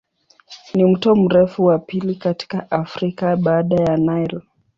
Ni mto mrefu wa pili katika Afrika baada ya Nile.